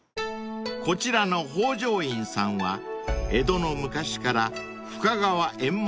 ［こちらの法乗院さんは江戸の昔から深川ゑん